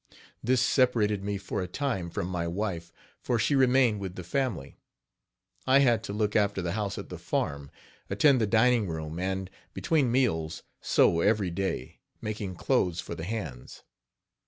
This separated me for a time from my wife, for she remained with the family. I had to look after the house at the farm, attend the dining room, and, between meals, sew every day, making clothes for the hands.